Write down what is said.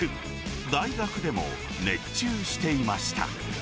大学でも熱中していました。